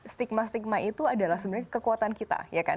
stigma stigma itu adalah sebenarnya kekuatan kita